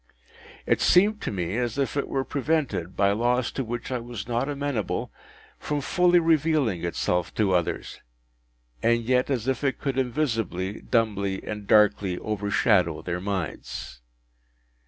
It seemed to me as if it were prevented, by laws to which I was not amenable, from fully revealing itself to others, and yet as if it could invisibly, dumbly, and darkly overshadow their minds.